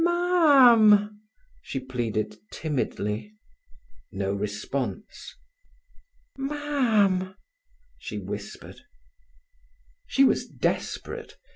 "Mam!" she pleaded timidly. No response. "Mam!" she whispered. She was desperate.